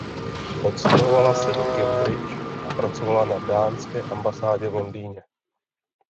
Odstěhovala se do Cambridge a pracovala na Dánské ambasádě v Londýně.